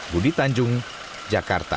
budi tanjung jakarta